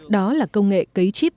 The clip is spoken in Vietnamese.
đó là công nghệ cấy chip